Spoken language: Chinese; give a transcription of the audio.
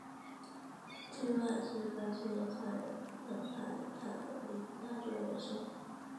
蒂茹卡斯是巴西圣卡塔琳娜州的一个市镇。